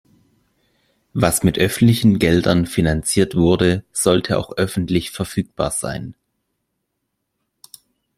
Was mit öffentlichen Geldern finanziert wurde, sollte auch öffentlich verfügbar sein.